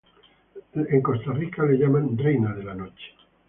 En Costa Rica le llaman "reina de la noche".